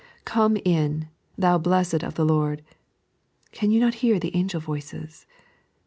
" Come in, thou blessed of the Lord" (can you not hear the angel voices?)